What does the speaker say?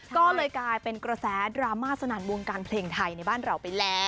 ก็เลยกลายเป็นกระแสดราม่าสนั่นวงการเพลงไทยในบ้านเราไปแล้ว